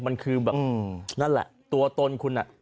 มันคือแบบนั่นแหละตัวตนคุณน่ะ